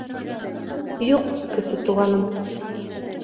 — Юҡ, Кесе Туғаным.